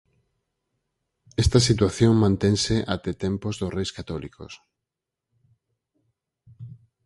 Esta situación mantense até tempos dos Reis Católicos.